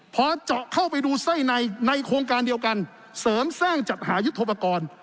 พอเจาะเข้าไปดูไส้ในในโครงการเดียวกันเสริมสร้างจัดหายุทธโปรกรณ์